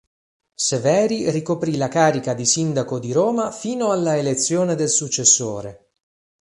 Severi ricoprì la carica di sindaco di Roma fino alla elezione del successore.